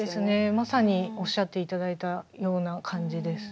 まさにおっしゃって頂いたような感じです。